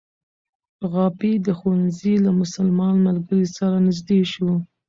غابي د ښوونځي له مسلمان ملګري سره نژدې شو.